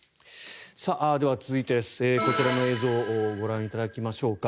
では、続いて、こちらの映像をご覧いただきましょうか。